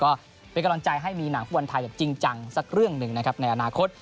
ก็เป็นกำลังใจให้มีหนังฟุตบอลไทยแบบจริงจังสักเรื่องหนึ่งนะครับในอนาคต